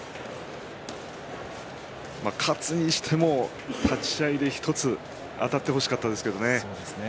勝つにしても立ち合い１つ、あたってほしかったですけどね。